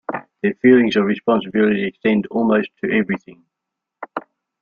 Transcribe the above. Their feelings of responsibility extend almost to everything.